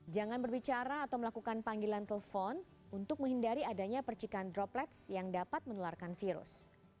jangan berbicara atau melakukan panggilan telepon untuk menghindari adanya percikan droplets yang dapat menularkan virus